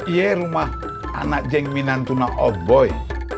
iya rumah anak jeng minantuna oboy